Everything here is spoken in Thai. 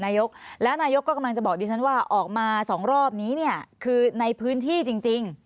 นายกแล้วนายกก็กำลังจะบอกดิฉันว่าออกมาสองรอบนี้เนี่ยคือในพื้นที่จริง